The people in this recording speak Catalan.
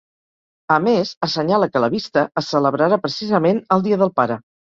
A més, assenyala que la vista es celebrarà, precisament, el dia del pare.